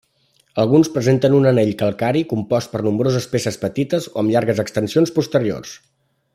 Alguns presenten un anell calcari compost per nombroses peces petites o amb llargues extensions posteriors.